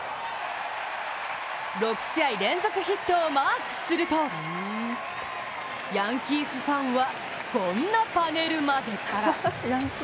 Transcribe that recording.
６試合連続ヒットをマークするとヤンキースファンはこんなパネルまで。